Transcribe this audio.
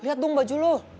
liat dong baju lo